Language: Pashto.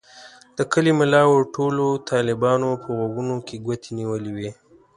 د کلي ملا او ټولو طالبانو په غوږونو کې ګوتې نیولې وې.